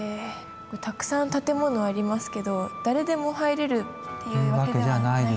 これたくさん建物ありますけど誰でも入れるっていうわけでは。というわけじゃないんですね。